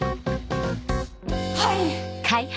はい！